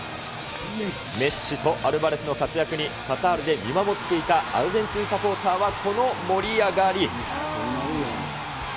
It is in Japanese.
メッシとアルバレスの活躍にカタールで見守っていたアルゼンチンサポーターはこの盛り上がり。